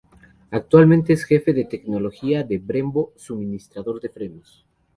Actualmente es jefe de tecnología de Brembo, suministrador de frenos.